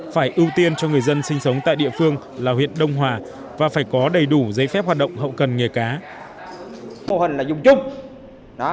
phải ưu tiên cho người dân sinh sống tại địa phương là huyện đông hòa và phải có đầy đủ giấy phép hoạt động hậu cần nghề cá